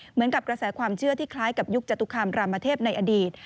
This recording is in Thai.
เหมือนกับกระแสความเชื่อที่คล้ายกับยุคจตุคามรามเทพในอดีต